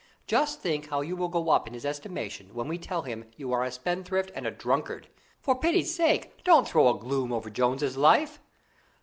Just think how you will go up in his estimation, when we tell him you are a spendthrift and a drunkard! For pity's sake, don't throw a gloom over Jones's life."